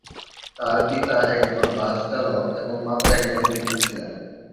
তার পিতা একজন বাস চালক এবং মাতা একজন গৃহিণী ছিলেন।